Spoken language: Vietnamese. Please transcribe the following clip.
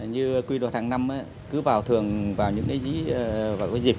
như quy luật hàng năm cứ vào thường vào những dịp